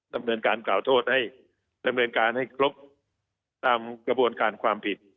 ดำเนินการกล่าวโทษให้ดำเนินการให้ครบตามกระบวนการความผิด